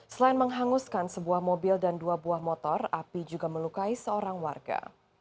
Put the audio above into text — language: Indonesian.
selain menghanguskan sebuah mobil dan dua buah motor api juga melukai seorang warga